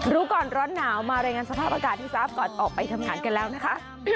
รู้ก่อนร้อนหนาวมารายงานสภาพอากาศให้ทราบก่อนออกไปทำงานกันแล้วนะคะ